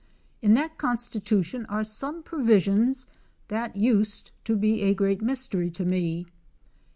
In that con stitution are some provisions that used to be a great mystery to me.